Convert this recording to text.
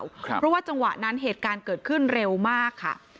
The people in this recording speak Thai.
เพราะว่าจังหวะนั้นเหตุการณ์เกิดขึ้นเร็วมากค่ะ